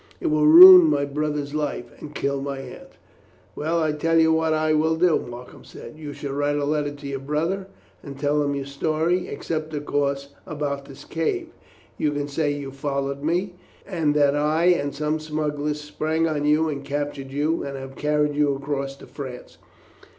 It will ruin my brother's life, and kill my aunt." "Well, I'll tell you what I will do," Markham said. "You shall write a letter to your brother, and tell him your story, except, of course, about this cave. You can say you followed me, and that I and some smugglers sprang on you and captured you, and have carried you across to France.